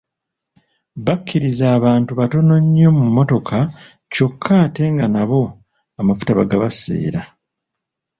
Bakkirizza abantu batono nnyo mu mmotoka kyokka ate nga nabo amafuta bagabaseera.